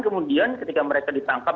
kemudian ketika mereka ditangkap